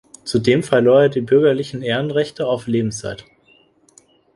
Zudem verlor er die Bürgerlichen Ehrenrechte auf Lebenszeit.